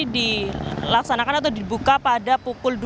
dilaksanakan atau dibuka pada pukul dua belas